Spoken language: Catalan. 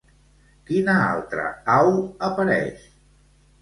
Quina altra au apareix?